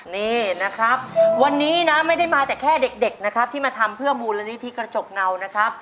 นี่นะครับวันนี้นะไม่ได้มาแต่แค่เด็กนะครับที่มาทำเพื่อมูลนิธิกระจกเงานะครับ